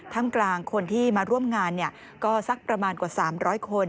ทำกลางคนที่มาร่วมงานก็สักประมาณกว่า๓๐๐คน